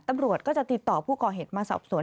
ตำรวจก็จะติดต่อผู้ก่อเหตุมาสอบสวน